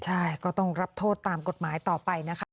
ใช่ก็ต้องรับโทษตามกฎหมายต่อไปนะคะ